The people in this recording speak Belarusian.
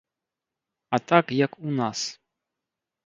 А так, як у нас.